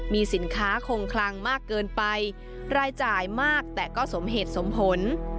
มีสินค้าคงคลังมากเกินไปรายจ่ายมากแต่ก็สมเหตุสมผล